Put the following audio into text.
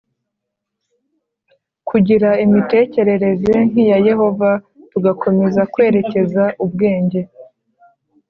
kugira imitekerereze nk iya Yehova tugakomeza kwerekeza ubwenge